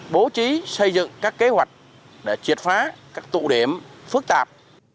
bố trí xây dựng các kế hoạch để triệt phá các tụ điểm phức tạp